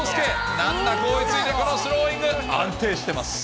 難なく追いついて、このスローイング、安定しています。